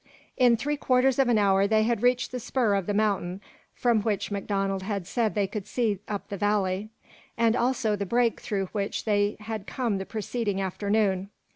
In three quarters of an hour they had reached the spur of the mountain from which MacDonald had said they could see up the valley, and also the break through which they had come the preceding afternoon.